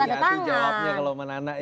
jadi kita tidak ada tangan